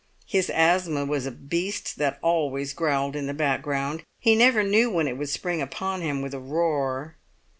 His asthma was a beast that always growled in the background; he never knew when it would spring upon him with a roar.